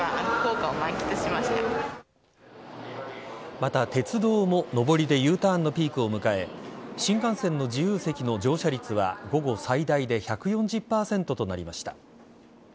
また、鉄道も上りでＵターンのピークを迎え新幹線の自由席の乗車率は午後最大で１４０％となりました。